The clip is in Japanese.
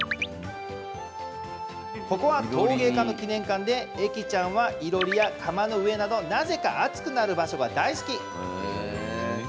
ここは陶芸家の記念館でえきちゃんはいろりや窯の上などなぜか熱くなる場所が大好き。